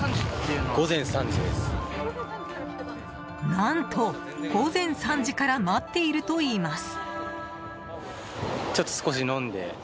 何と午前３時から待っているといいます。